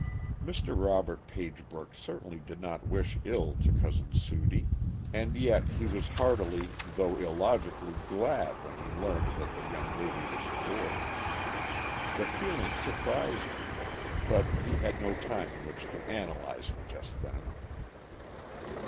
Mr. Robert Pagebrook certainly did not wish ill to Cousin Sudie, and yet he was heartily though illogically glad when he learned that that young lady was poor. The feeling surprised him, but he had no time in which to analyze it just then.